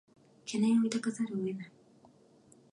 懸念を抱かざるを得ない